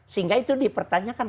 sehingga itu di pertanyakan